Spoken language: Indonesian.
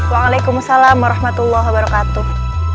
waalaikumsalam warahmatullahi wabarakatuh